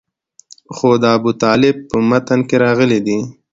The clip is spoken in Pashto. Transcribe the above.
خو د ابوطالب په متن کې راغلي دي.